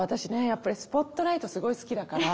やっぱりスポットライトすごい好きだから。